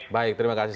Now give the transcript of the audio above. baik terima kasih